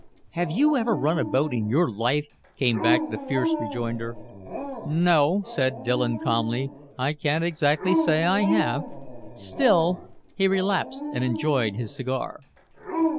"Have you ever run a boat in your life?" came back the fierce rejoinder. "No," said Dillon calmly, "I can't exactly say I have. Still" he relapsed and enjoyed his cigar.